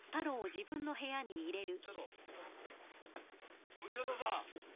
ちょっと潮田さん！